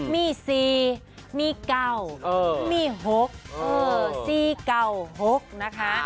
มี๔มี๙มี๖๔๙๖นะคะ